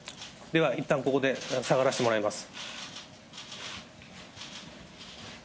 ではいったんここで下がらせてもらいます。